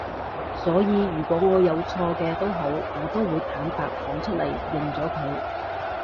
所以如果我有錯嘅都好我都會坦白講出嚟，認咗佢